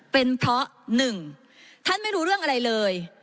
เป็นเพราะหนึ่งท่านไม่รู้เรื่องอะไรเลย